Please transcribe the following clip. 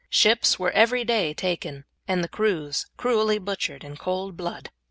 Ships were every day taken, and the crews cruelly butchered in cold blood.